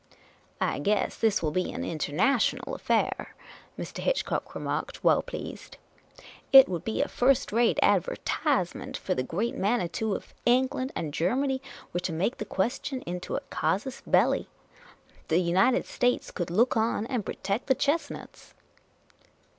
" I guess this will be an international affair, " Mr. Hitch cock remarked, well pleased. " It would be a first rate adver/Z^nuent for the Great Manitou ef England and Ger many were to make the question into a casus belli. The United States could look on, and pocket the chestnuts."